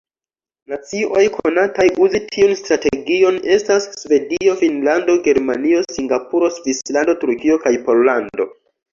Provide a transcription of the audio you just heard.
Nacioj konataj uzi tiun strategion estas Svedio, Finnlando, Germanio, Singapuro, Svislando, Turkio kaj Pollando.